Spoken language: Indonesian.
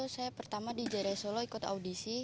saya pertama di jaya raya solo ikut audisi